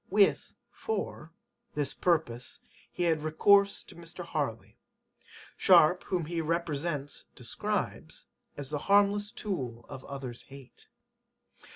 [With] for this purpose he had recourse to Mr. Harley. Sharpe, whom he [represents] describes as "the harmless tool of others' hate."